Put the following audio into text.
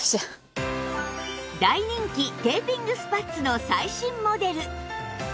大人気テーピングスパッツの最新モデル